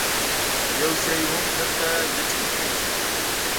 یو شی هم در ته نه ټینګېږي.